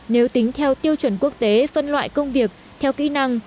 nếu tính theo tiêu chuẩn quốc tế phân loại công việc theo kỹ năng